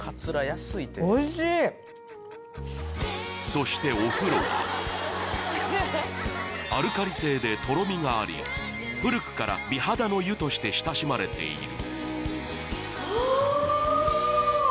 そしてお風呂はアルカリ性でとろみがあり古くから美肌の湯として親しまれているあぁ！